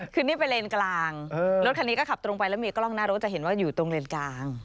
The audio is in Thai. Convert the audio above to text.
คือนี่เป็นเลนกลางรถคันนี้ก็ขับตรงไปแล้วมีกล้องหน้ารถจะเห็นว่าอยู่ตรงเลนกลาง